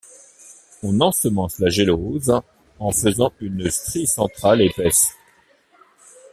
On ensemence la gélose en faisant une strie centrale épaisse.